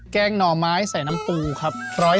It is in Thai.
แกงหน่อไม้ใส่น้ำปูครับ